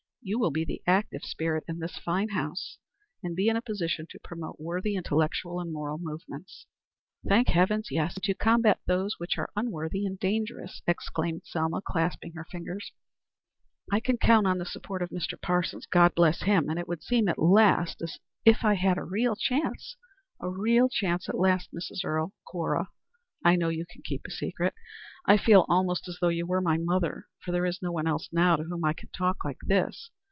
You will be the active spirit in this fine house, and be in a position to promote worthy intellectual and moral movements." "Thank heavens, yes. And to combat those which are unworthy and dangerous," exclaimed Selma, clasping her fingers, "I can count on the support of Mr. Parsons, God bless him! And it would seem at last as if I had, a real chance a real chance at last. Mrs. Earle Cora I know you can keep a secret. I feel almost as though you were my mother, for there is no one else now to whom I can talk like this.